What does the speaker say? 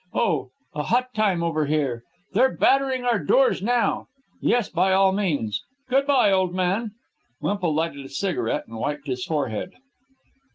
Oh, a hot time over here. They're battering our doors now. Yes, by all means ... Good by, old man." Wemple lighted a cigarette and wiped his forehead.